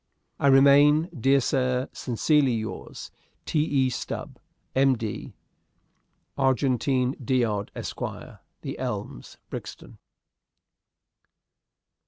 I remain, dear sir, sincerely yours, "T. E. Stube, M. D. "Argentine D'Odd, Esq., "The Elms, Brixton."